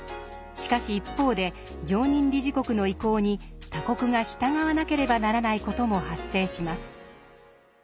しかし一方で常任理事国の意向に他国が従わなければならない事も発生します。